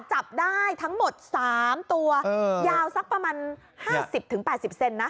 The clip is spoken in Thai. จับได้ทั้งหมด๓ตัวยาวสักประมาณ๕๐๘๐เซนนะ